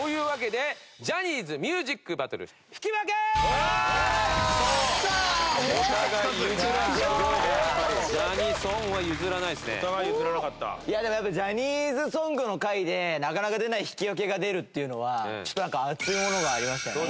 でもジャニーズソングの回でなかなか出ない引き分けが出るっていうのはちょっとなんか。